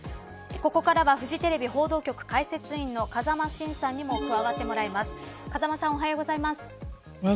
ここからはフジテレビ報道局解説委員の風間晋さんにも加わってもらいます。